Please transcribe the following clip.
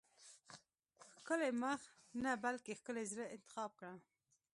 ښکلی مخ نه بلکې ښکلي زړه انتخاب کړه.